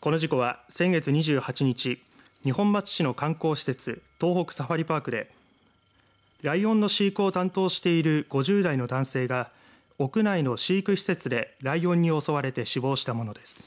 この事故は先月２８日二本松市の観光施設東北サファリパークでライオンの飼育を担当している５０代の男性が屋内の飼育施設でライオンに襲われて死亡したものです。